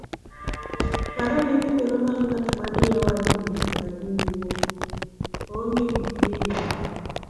parane midhiero mar ng'at madiewo aduwo, oonge gik nindo,